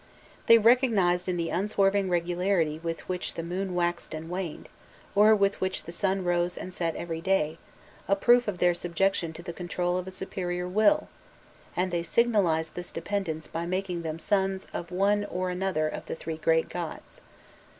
They recognized in the unswerving regularity with which the moon waxed and waned, or with which the sun rose and set every day, a proof of their subjection to the control of a superior will, and they signalized this dependence by making them sons of one or other of the three great gods.